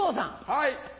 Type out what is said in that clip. はい。